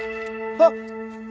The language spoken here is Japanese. あっ！